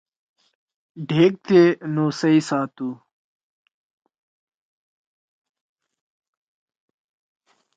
ڈھیگ تے نوسئ ساتُو۔